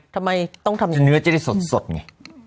ทำไมต้องทำเนื้อจะได้สดไง